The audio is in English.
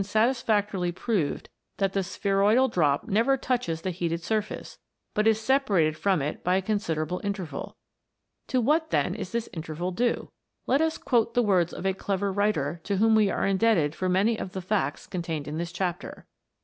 WATEK BEWITCHED. 169 satisfactorily proved that the spheroidal drop never touches the heated surface, but is separated from it by a considerable interval. To what, then, is this interval due 1 ? Let us quote the words of a clever writer to whom we are indebted for many of the facts contained in this chapter.